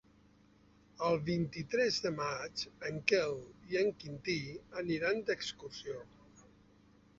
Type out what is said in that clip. El vint-i-tres de maig en Quel i en Quintí aniran d'excursió.